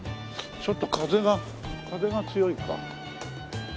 ちょっと風が風が強いか。